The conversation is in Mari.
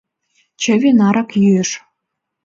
Чыве нарак йӱэш.